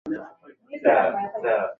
aa ni nchi ambao imenyanyazwa imekandamizwa